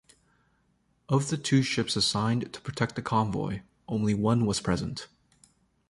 Of the two ships assigned to protect the convoy, only one was present.